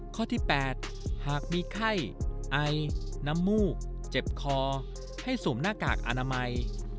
ข้อที่๘หากมีไข้ไอน้ำมูกเจ็บคอให้สวมหน้ากากอนามัย